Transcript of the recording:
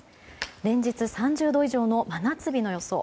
連日３０度以上の真夏日の予想。